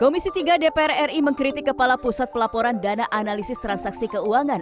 komisi tiga dpr ri mengkritik kepala pusat pelaporan dana analisis transaksi keuangan